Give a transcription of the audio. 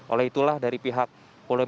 oleh itulah dari pihak polda